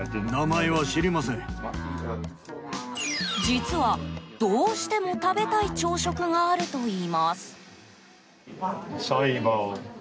実は、どうしても食べたい朝食があるといいます。